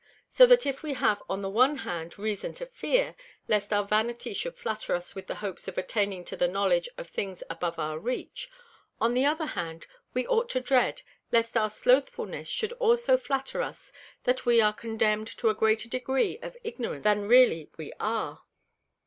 So that if we have on the one hand reason to fear, lest our Vanity shou'd flatter us with the hopes of attaining to the knowledge of things above our reach; on the other we ought to dread, lest our Slothfulness should also flatter us that we are condemn'd to a greater degree of Ignorance than really we are.